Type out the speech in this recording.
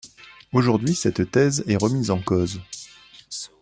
Aujourd'hui cette thèse est remise en cause.